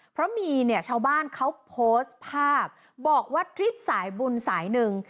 เพราะมีเนี่ยชาวบ้านเขาโพสต์ภาพบอกว่าทริปสายบุญสายหนึ่ง